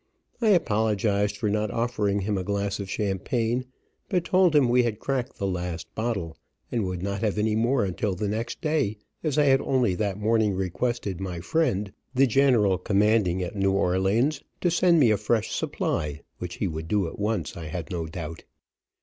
I apologized for not offering him a glass of champagne, but told him we had cracked the last bottle, and would not have any more until the next day, as I had only that morning requested my friend, the general commanding at New Orleans, to send me a fresh supply, which he would do at once, I had no doubt.